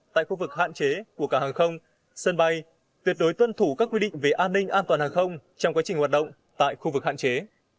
tại khu vực hạn chế của cảng hàng không sân bay tuyệt đối tuân thủ các quy định về an ninh an toàn hàng không trong quá trình hoạt động tại khu vực hạn chế